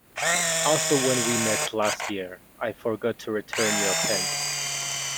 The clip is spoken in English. Also when we met last year, I forgot to return your pen.